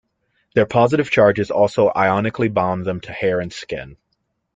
Their positive charges also ionically bond them to hair and skin.